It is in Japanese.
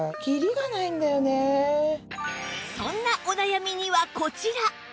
そんなお悩みにはこちら